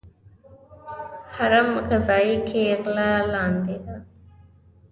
هرم غذایی کې غله لاندې ده.